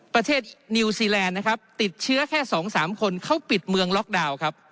นิวซีแลนด์นะครับติดเชื้อแค่๒๓คนเขาปิดเมืองล็อกดาวน์ครับ